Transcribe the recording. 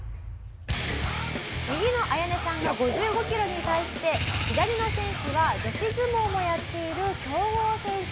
右のアヤネさんが５５キロに対して左の選手は女子相撲もやっている強豪選手。